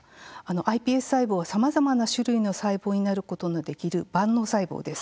ｉＰＳ細胞はさまざまな種類の細胞になることのできる万能細胞です。